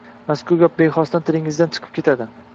Mazkur gap bexosdan tilingizdan chiqib ketadi.